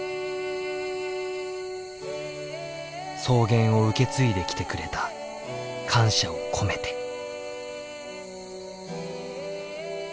草原を受け継いできてくれた感謝を込めて。